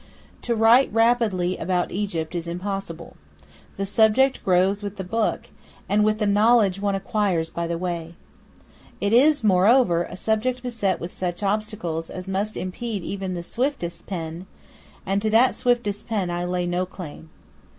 To write rapidly about Egypt is impossible. The subject grows with the book, and with the knowledge one acquires by the way. It is, moreover, a subject beset with such obstacles as must impede even the swiftest pen; and to that swiftest pen I lay no claim.